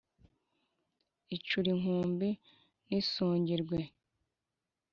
Icura inkumbi ntisongerwe